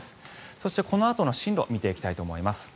そして、このあとの進路を見ていきたいと思います。